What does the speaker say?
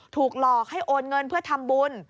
ถูกหลอกให้โอนเงินเพื่อทำบุญ